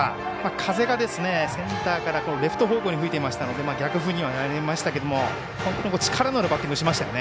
風がセンターからレフト方向に吹いていましたので逆風にはなりましたけれども本当に力のあるバッティングをしましたよね。